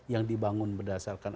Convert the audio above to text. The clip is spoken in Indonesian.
yang dibangun berdasarkan